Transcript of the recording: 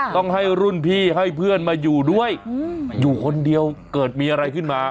ต้องให้รุ่นพี่ให้เพื่อนมาอยู่ด้วยอยู่คนเดียวเกิดมีอะไรขึ้นมา